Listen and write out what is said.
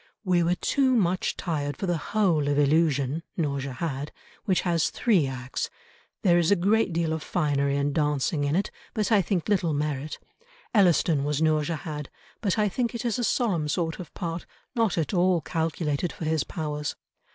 We were too much tired for the whole of Illusion (Nourjahad), which has three acts; there is a great deal of finery and dancing in it, but I think little merit. Elliston was Nourjahad, but I think it is a solemn sort of part, not at all calculated for his powers.